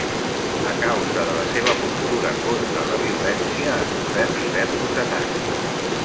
A causa de la seva postura contra la violència ha sofert diversos atacs.